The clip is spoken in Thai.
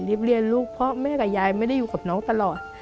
เรียนลูกเพราะแม่กับยายไม่ได้อยู่กับน้องตลอด